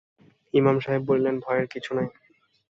ইমাম সাহেব বললেন, ভয়ের কিছু নাই।